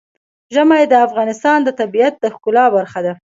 ژمی د افغانستان د طبیعت د ښکلا برخه ده.